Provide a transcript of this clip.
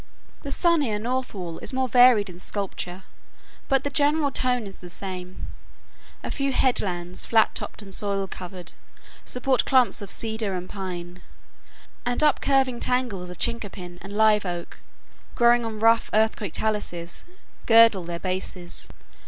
The sunnier north wall is more varied in sculpture, but the general tone is the same. A few headlands, flat topped and soil covered, support clumps of cedar and pine; and up curving tangles of chinquapin and live oak, growing on rough earthquake taluses, girdle their bases.